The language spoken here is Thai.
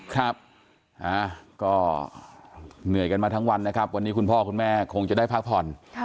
ครับก็เหนื่อยกันมาทั้งวันนะครับวันนี้คุณพ่อคุณแม่คงจะได้พักผ่อน